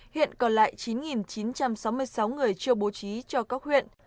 hiện còn lại chín chín trăm sáu mươi sáu người chưa bố trí cho các huyện